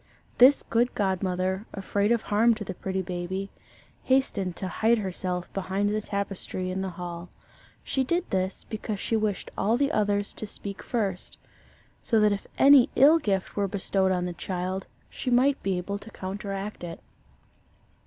This good godmother, afraid of harm to the pretty baby, hastened to hide herself behind the tapestry in the hall. She did this, because she wished all the others to speak first so that if any ill gift were bestowed on the child, she might be able to counteract it.